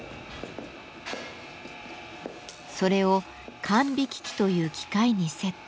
それを管引機という機械にセット。